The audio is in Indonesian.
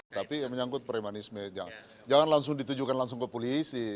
tapi menyangkut premanisme jangan langsung ditujukan langsung ke polisi